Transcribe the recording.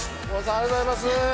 ありがとうございます。